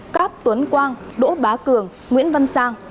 cáp tuấn quang đỗ bá cường nguyễn văn sang